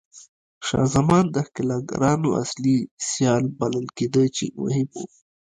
شاه زمان د ښکېلاګرانو اصلي سیال بلل کېده چې مهم و.